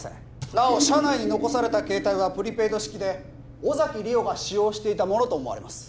なお車内に残された携帯はプリペイド式で尾崎莉桜が使用していたものと思われます